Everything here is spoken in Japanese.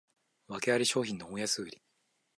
わけあり商品の大安売り